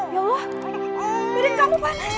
ya allah mirip kamu panas